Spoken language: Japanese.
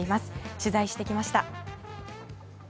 取材してきました。